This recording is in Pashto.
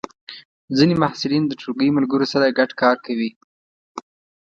ځینې محصلین د ټولګی ملګرو سره ګډ کار کوي.